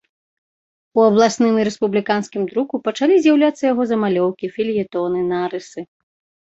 У абласным і рэспубліканскім друку пачалі з'яўляцца яго замалёўкі, фельетоны, нарысы.